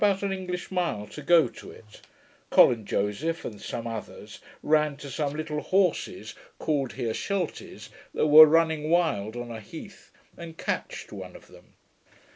We had about an English mile to go to it. Col and Joseph, and some others, ran to some little horses, called here 'Shelties', that were running wild on a heath, and catched one of them.